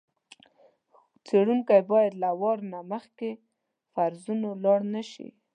څېړونکی باید له وار له مخکې فرضونو لاړ نه شي.